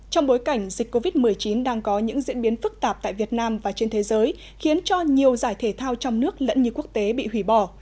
trong bối cảnh dịch covid một mươi chín đang có những diễn biến phức tạp tại việt nam và trên thế giới khiến cho nhiều giải thể thao trong nước lẫn như quốc tế bị hủy bỏ